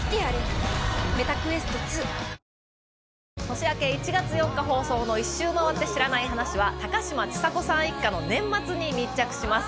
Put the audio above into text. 年明け１月４日放送の１周回って知らない話は、高嶋ちさ子さん一家の年末に密着します。